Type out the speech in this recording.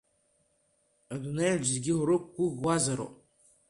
Адунеиаҿ зегьы урықәгәыӷуазароуп…